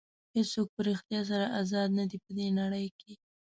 هېڅوک په ریښتیا سره ازاد نه دي په دې نړۍ کې.